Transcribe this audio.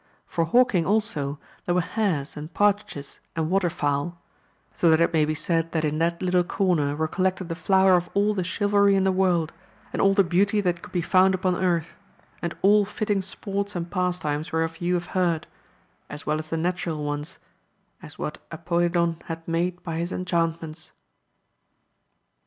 For hawking also, there were hares, and partridges, and water fowl ; so that it may be said that in that little corner were collected the flower of all the chivalry in AMADIS OF GAUL 269 the world, and all the heauty that could be found upon earth, and all fitting sports and pastimes whereof ypu have heard, as well the natural ones, as what Apolidon had made by his enchantments.